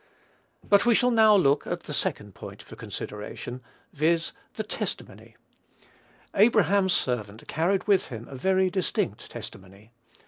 But we shall now look at the second point for consideration, viz., the testimony. Abraham's servant carried with him a very distinct testimony.